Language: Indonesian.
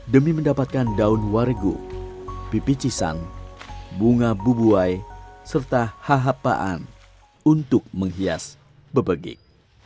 demi mendapatkan daun warigu pipi cisang bunga bubuai serta ha ha paan untuk menghias bebegik